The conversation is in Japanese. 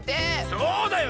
そうだよ！